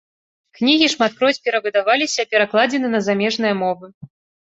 Кнігі шматкроць перавыдаваліся, перакладзены на замежныя мовы.